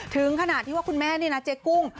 ถึงขนาดที่ว่าคุณแม่นี่นะเจ๊กุ้ง